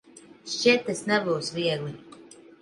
Šķiet, tas nebūs viegli.